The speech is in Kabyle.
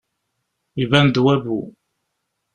Iban-d wabu.